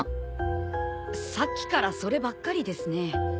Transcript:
さっきからそればっかりですね。